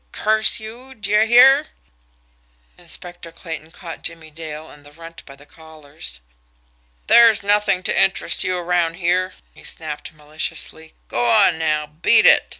curse you! d'ye hear!" Inspector Clayton caught Jimmie Dale and the Runt by the collars. "There's nothing to interest you around here!" he snapped maliciously. "Go on, now beat it!"